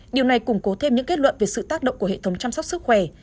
điều này củng cố thêm những kết luận về sự tác động của hệ thống chăm sóc sức khỏe